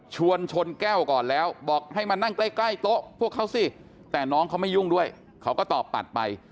ชนชนแก้วก่อนแล้วบอกให้มานั่งใกล้โต๊ะพวกเขาสิแต่น้องเขาไม่ยุ่งด้วยเขาก็ตอบปัดไป